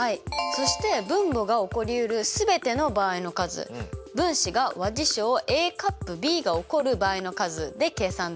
そして分母が起こりうる全ての場合の数分子が和事象Ａ∪Ｂが起こる場合の数で計算できますよね。